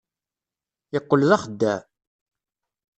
Yeqqel d axeddaε.